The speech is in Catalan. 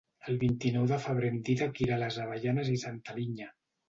El vint-i-nou de febrer en Dídac irà a les Avellanes i Santa Linya.